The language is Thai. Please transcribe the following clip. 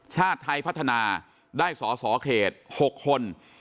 ชาติไทยพัฒนาได้สอสอเขต๖คน